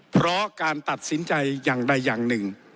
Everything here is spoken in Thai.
เพราะการตัดสินใจอย่างใดอย่างหนึ่ง